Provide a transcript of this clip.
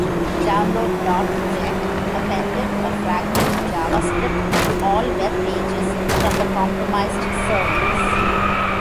Download.ject appended a fragment of JavaScript to all web pages from the compromised servers.